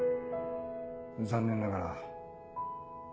残念ながら。